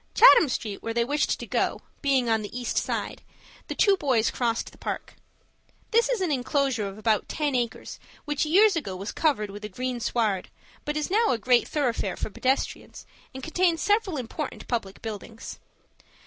Chatham Street, where they wished to go, being on the East side, the two boys crossed the Park. This is an enclosure of about ten acres, which years ago was covered with a green sward, but is now a great thoroughfare for pedestrians and contains several important public buildings.